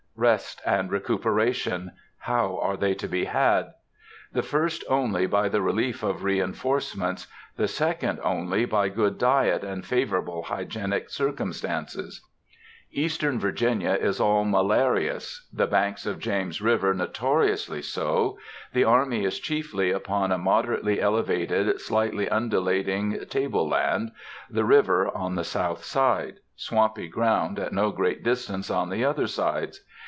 Rest and recuperation,—how are they to be had? The first only by the relief of reinforcements; the second only by good diet and favorable hygienic circumstances. Eastern Virginia is all malarious,—the banks of James River notoriously so; the army is chiefly upon a moderately elevated, slightly undulating table land; the river on the south side; swampy ground at no great distance on the other sides.